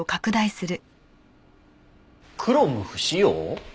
「クロム不使用」？